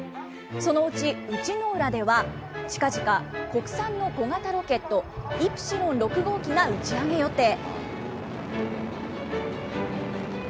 そのうち内之浦では、近々、国産の小型ロケット、イプシロン６号機が打ち上げ予定。